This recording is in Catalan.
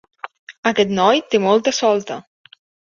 Aquest noi té molta solta.